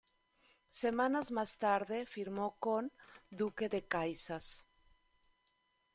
Semanas más tarde, firmó con Duque de Caxias.